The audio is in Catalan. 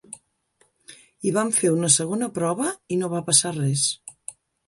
I vam fer una segona prova i no va passar res.